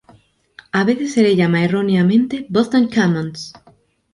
A veces se le llama erróneamente ""Boston Commons"".